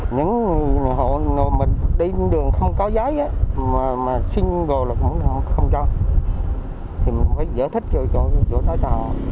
những người hộ mình đi đường không có giấy mà xin vô là không cho thì mình phải giới thích cho chỗ nói chào